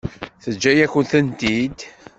Teǧǧa-yakent-tent-id?